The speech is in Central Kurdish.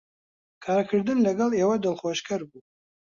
کارکردن لەگەڵ ئێوە دڵخۆشکەر بوو.